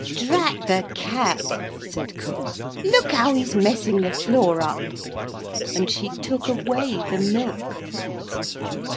'Drat the cat,' said cook; 'look how he's messing the floor up.' And she took away the milk.